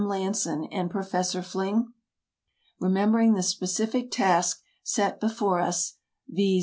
Lanson and Professor Fling? Remembering the specific task set before us, viz.